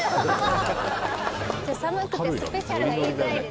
「寒くて“スペシャル”が言いづらいですね」